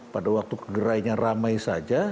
pada waktu gerainya ramai saja